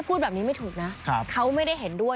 พูดแบบนี้ไม่ถูกนะเขาไม่ได้เห็นด้วย